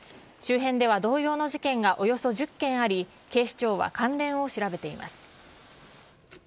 周辺では同様の事件がおよそ１０件あり、警視庁は関連を調べています。